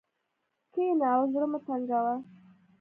کښېنه او زړه مه تنګوه.